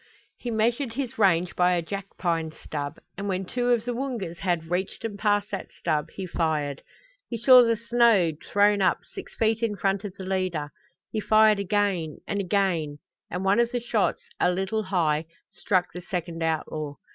He measured his range by a jackpine stub, and when two of the Woongas had reached and passed that stub he fired. He saw the snow thrown up six feet in front of the leader. He fired again, and again, and one of the shots, a little high, struck the second outlaw.